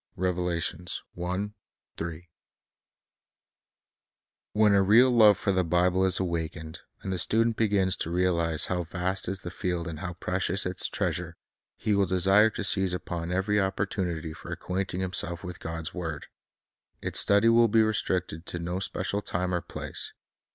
3 When a real love for the Bible is awakened, and the student begins to realize how vast is the field and how precious its treasure, he will desire to seize upon every opportunity for acquainting himself with God's continuous it 1 ii i i • 1 • Study word. Its study will be restricted to no special time or place.